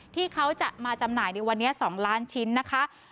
ที่เขาจะมาจำหน่ายในวันนี้๒ล้านชิ้นนะคะ